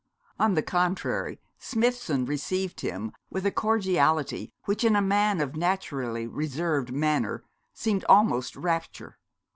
On the contrary, Smithson received him with a cordiality which in a man of naturally reserved manner seemed almost rapture.